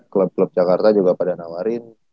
klub klub jakarta juga pada nawarin